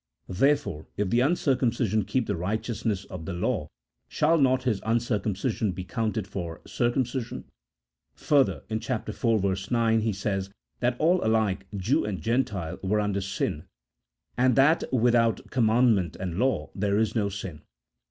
Therefore if the uncircumcision keep the righteousness of the law, shall not his uncircumcision be counted for circumcision ?" Further, in chap. iv. verse 9, he says that all alike, Jew and Gentile, were under sin, and that without commandment and law there is no sin.